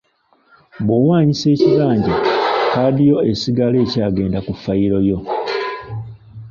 Bw'owaanyisa ekibanja, kkaadi yo esigala ekyagenda ku ffayiro yo.